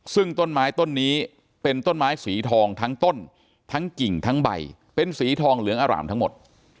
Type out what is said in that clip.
ซึ่งต้นไม้ต้นนี้เป็นต้นไม้สีทองทั้งต้นทั้งกิ่งทั้งใบเป็นสีทองเหลืองอร่ามทั้งหมด